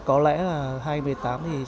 có lẽ là hai nghìn một mươi tám thì